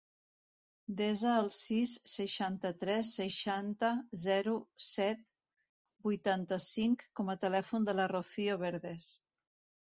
Desa el sis, seixanta-tres, seixanta, zero, set, vuitanta-cinc com a telèfon de la Rocío Verdes.